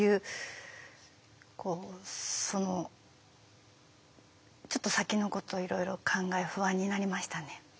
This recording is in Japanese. こうそのちょっと先のことをいろいろ考え不安になりましたね。